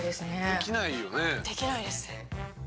「できないです」